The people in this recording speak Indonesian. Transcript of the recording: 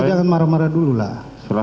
jangan marah marah dulu lah